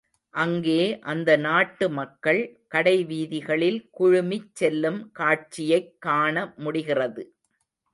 அங்கே அந்த நாட்டு மக்கள் கடைவீதிகளில் குழுமிச் செல்லும் காட்சியைக் காண முடிகிறது.